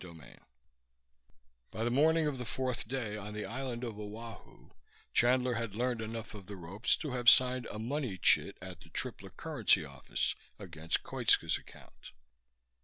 VIII By the morning of the fourth day on the island of Oahu, Chandler had learned enough of the ropes to have signed a money chit at the Tripler currency office against Koitska's account.